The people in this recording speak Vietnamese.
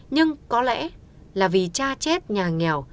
nhưng có lẽ là vì cha chết nhà nghèo